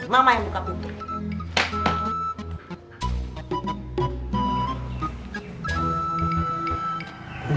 mama yang buka bukit